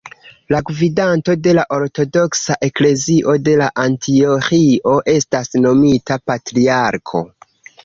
La gvidanto de la ortodoksa eklezio de Antioĥio estas nomita patriarko.